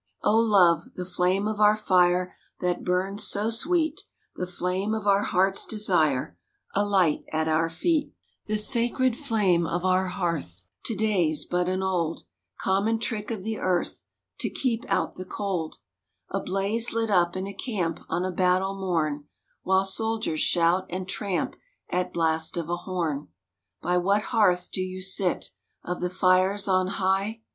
O love, the flame of our fire That burned so sweet, The flame of our heart's desire, Alight at our feet, THE WATCH TOWER 55 The sacred flame of our hearth To day's but an old, Common trick of the earth To keep out the cold ; A blaze lit up in a camp On a battle morn, While soldiers shout and tramp At blast of a horn. By what hearth do you sit Of the fires on high?